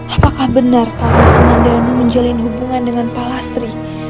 apakah benar kalau pak mandano menjalin hubungan dengan pak lastri